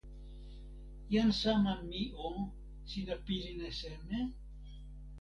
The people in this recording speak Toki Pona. jan sama mi o, sina pilin e seme?